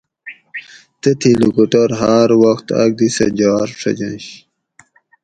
تتھی لوکوٹور ھار وخت آک دی سہ جار ڛجںش